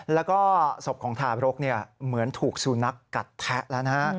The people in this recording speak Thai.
แล้วก็ศพของทารกเหมือนถูกสุนัขกัดแทะแล้วนะฮะ